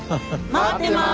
待ってます！